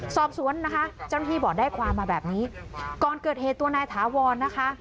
สอบสวนนะคะเจ้าหน้าที่บอกได้ความมาแบบนี้ก่อนเกิดเหตุตัวนายถาวรนะคะ